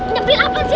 nyebelin apaan sih lo